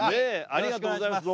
ありがとうございます。